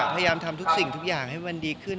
พยายามทำทุกสิ่งทุกอย่างให้มันดีขึ้น